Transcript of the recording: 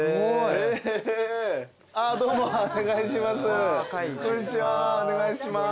ああどうもお願いします。